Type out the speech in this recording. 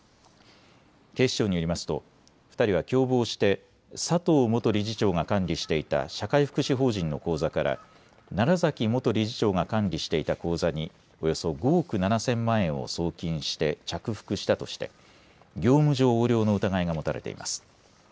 警視庁によりますと２人は共謀して佐藤元理事長が管理していた社会福祉法人の口座から楢崎元理事長が管理していた口座におよそ５億７０００万円を送金して着服したとして業務上横領の疑いが持たれています。